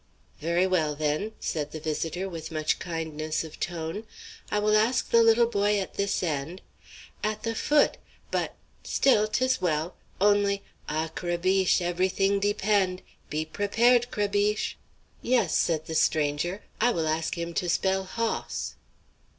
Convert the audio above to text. "Very well, then," said the visitor with much kindness of tone; "I will ask the little boy at this end" "At the foot but still, 'tis well. Only ah, Crébiche! every thing depend! Be prepared, Crébiche!" "Yes," said the stranger; "I will ask him to spell hoss."